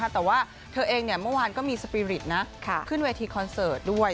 แต่ว่าเธอเองเมื่อวานก็มีสปีริตขึ้นเวทีคอนเสิร์ตด้วย